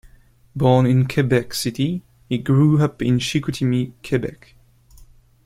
Born in Quebec City, he grew up in Chicoutimi, Quebec.